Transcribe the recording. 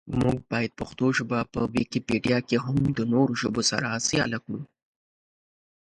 مونږ باید پښتو ژبه په ویکیپېډیا کې هم د نورو ژبو سره سیاله کړو.